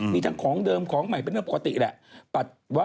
มีทั้งของเดิมของใหม่เป็นเรื่องปกติแหละ